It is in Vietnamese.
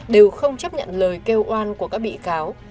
đều không chấp nhận lời kêu oan của các bị cáo